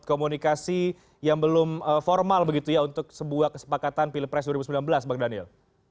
komunikasi yang belum formal begitu ya untuk sebuah kesepakatan pilpres dua ribu sembilan belas bang daniel